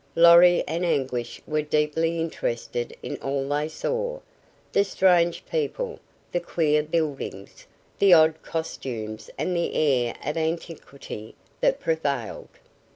Lorry and Anguish were deeply interested in all they saw, the strange people, the queer buildings, the odd costumes and the air of antiquity that prevailed.